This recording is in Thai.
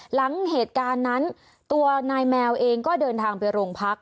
หลังเหตุการณ์นั้นตัวนายแมวเองก็เดินทางไปโรงพัก